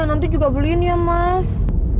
nanti juga beliin ya mas